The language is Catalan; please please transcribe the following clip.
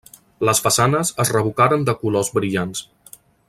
Les façanes es revocaren de colors brillants.